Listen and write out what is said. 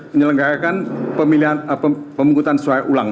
penyelenggarakan pemilihan pemungutan suara ulang